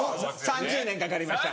３０年かかりました。